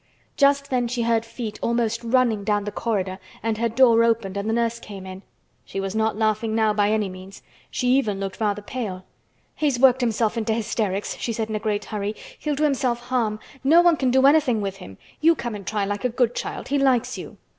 Just then she heard feet almost running down the corridor and her door opened and the nurse came in. She was not laughing now by any means. She even looked rather pale. "He's worked himself into hysterics," she said in a great hurry. "He'll do himself harm. No one can do anything with him. You come and try, like a good child. He likes you."